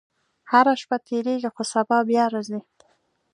• هره شپه تېرېږي، خو سبا بیا راځي.